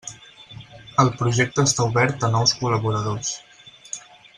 El projecte està obert a nous col·laboradors.